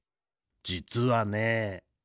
じつはね。